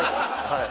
はい。